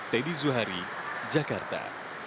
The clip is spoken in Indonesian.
teddy zuhari jakarta